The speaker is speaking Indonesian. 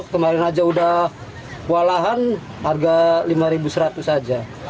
kemarin aja udah walahan harga rp lima seratus saja